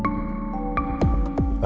ya pasti seneng loh